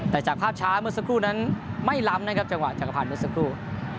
แต่จากภาพช้าเมื่อสักครู่นั้นไม่ล้ำนะครับจังหวะจักรพันธ์เมื่อสักครู่